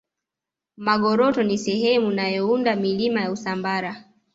magoroto ni sehemu inayounda milima ya usambara